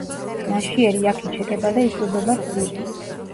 ნაშიერი აქ იჩეკება და იკვებება რძით.